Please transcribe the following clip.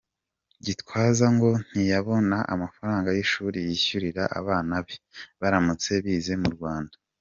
Gitwaza ngo ntiyabona amafaranga y’ishuri yishyurira abana be baramutse bize mu Rwanda.